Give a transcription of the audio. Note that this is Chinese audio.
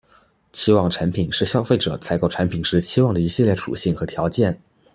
期望产品是消费者采购产品时期望的一系列属性和条件。